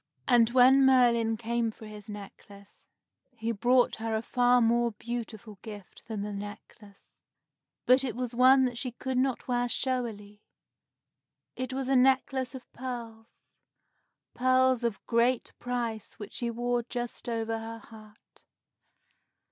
And when Merlin came for his necklace, he brought her a far more beautiful gift than the necklace, but it was one that she could not wear showily. It was a necklace of pearls, pearls of great price which she wore just over her heart.